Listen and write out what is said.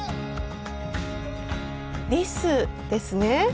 リスですね。